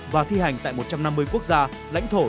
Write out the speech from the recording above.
và thi hành tại một trăm năm mươi quốc gia lãnh thổ